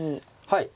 はい。